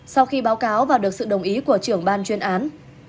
sau khi báo cáo và được sự đồng ý của trưởng ban chuyên án